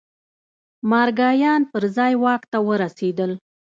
مارګایان پر ځای واک ته ورسېدل.